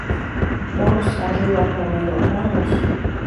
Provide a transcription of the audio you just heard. vamos, arriba. ramiro, vamos.